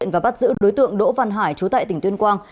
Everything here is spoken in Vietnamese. và bắt giữ đối tượng đỗ văn hải trú tại tỉnh tuyên quang